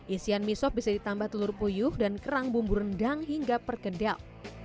isian mie sop bisa ditambah telur puyuh dan kerang bumbu rendang hingga perkedel